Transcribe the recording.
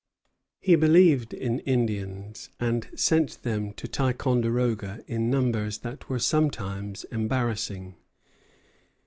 He believed in Indians, and sent them to Ticonderoga in numbers that were sometimes embarrassing.